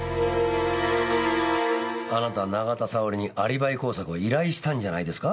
あなた永田沙織にアリバイ工作を依頼したんじゃないですか？